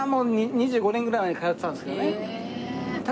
２５年ぐらい前に通ってたんですけどね。